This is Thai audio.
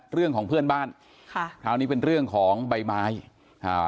เรื่องของเพื่อนบ้านค่ะคราวนี้เป็นเรื่องของใบไม้อ่า